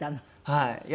はい。